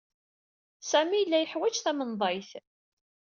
Sami yella yeḥwaj tamenḍayt.